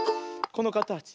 このかたち。